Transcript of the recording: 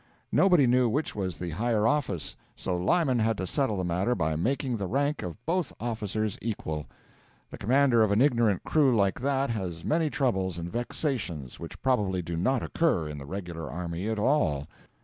Nobody knew which was the higher office; so Lyman had to settle the matter by making the rank of both officers equal. The commander of an ignorant crew like that has many troubles and vexations which probably do not occur in the regular army at all.